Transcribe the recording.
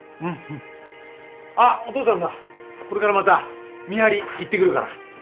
あっお父さんなこれからまた見張り行ってくるから。